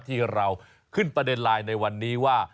ที่เราขึ้นประเด็นไลน์ในวันนี้ว่า